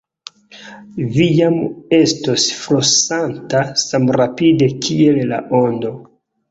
Vi jam estos flosanta samrapide kiel la ondo.